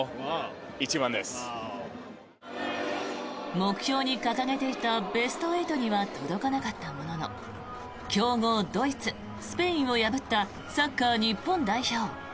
目標に掲げていたベスト８には届かなかったものの強豪ドイツ・スペインを破ったサッカー日本代表。